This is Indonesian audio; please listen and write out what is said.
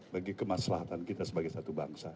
bagi kemaslahatan kita sebagai satu bangsa